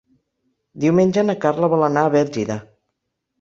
Diumenge na Carla vol anar a Bèlgida.